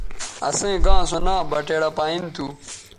اَسئیں گاں سو ناں بٹیڑہ پائیں تھو۔